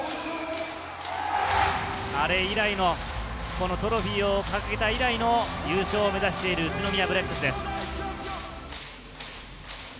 あれ以来の、トロフィーを掲げた以来の優勝を目指している宇都宮ブレックスです。